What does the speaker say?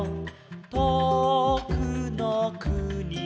「とおくのくにの」